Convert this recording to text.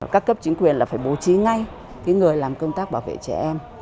các cấp chính quyền là phải bố trí ngay người làm công tác bảo vệ trẻ em